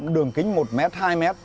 đường kính một mét hai mét